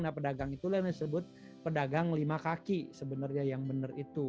nah pedagang itulah yang disebut pedagang lima kaki sebenarnya yang benar itu